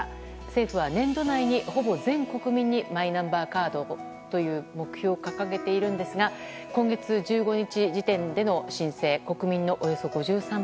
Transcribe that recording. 政府は、年度内にほぼ全国民にマイナンバーカードをという目標を掲げていますが今月１５日時点での申請は国民のおよそ５３％。